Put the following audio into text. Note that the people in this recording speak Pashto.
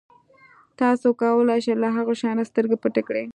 تاسو کولای شئ له هغه شیانو سترګې پټې کړئ.